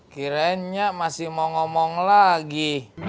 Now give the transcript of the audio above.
kirain nya masih mau ngomong lagi